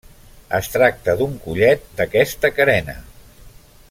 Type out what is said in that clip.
Es tracta d'un collet d'aquesta carena.